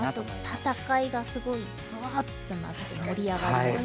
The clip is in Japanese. あと戦いがすごいグワーッとなって盛り上がります。